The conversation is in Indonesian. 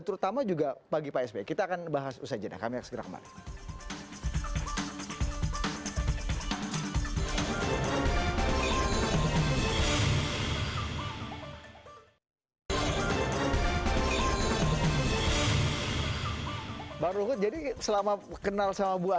terutama juga bagi pak sbe kita akan bahas usai jenaka merek segera kembali baru jadi selama kenal